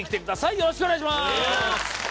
よろしくお願いします。